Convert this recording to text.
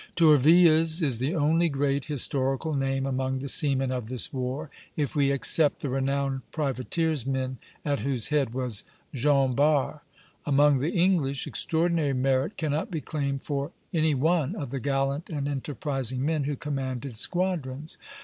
Tourville's is the only great historical name among the seamen of this war, if we except the renowned privateersmen at whose head was Jean Bart. Among the English, extraordinary merit cannot be claimed for any one of the gallant and enterprising men who commanded squadrons.